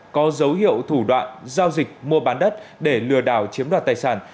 có dấu hiệu thủ đoạn giao dịch mua bán đất để lừa đảo chiếm đoạt tài sản